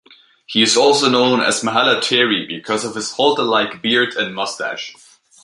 He is also known as "Mahaletere" because of his halter-like beard and mustache.